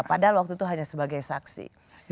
padahal waktu itu hanya sebagai saksi